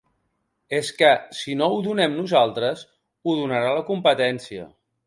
És que si no ho donem nosaltres ho donarà la competència.